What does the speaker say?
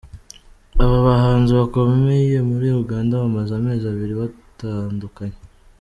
Aba bahanzi bakomeye muri Uganda bamaze amezi abiri batandukanye.